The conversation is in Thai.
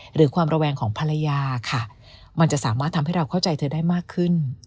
หรือความระแวงของภรรยาค่ะมันจะสามารถทำให้เราเข้าใจเธอได้มากขึ้น